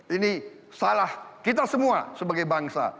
ini salah kita semua sebagai bangsa